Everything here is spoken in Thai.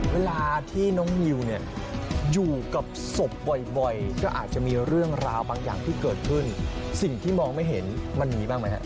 เวลาที่น้องนิวเนี่ยอยู่กับศพบ่อยก็อาจจะมีเรื่องราวบางอย่างที่เกิดขึ้นสิ่งที่มองไม่เห็นมันมีบ้างไหมฮะ